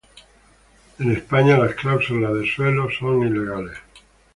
En España las cláusulas suelo son ilegales.